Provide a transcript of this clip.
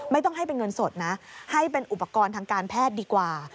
ไม่ต้องให้เป็นเงินสดนะให้เป็นอุปกรณ์ทางการแพทย์ดีกว่า